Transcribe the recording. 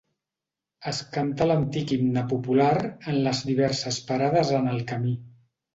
Es canta l'antic himne popular en les diverses parades en el camí.